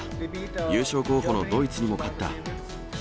優勝候補のドイツにも勝った。